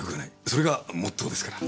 それがモットーですから。